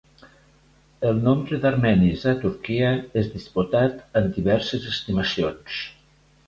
El nombre d'armenis a Turquia és disputat amb diverses estimacions.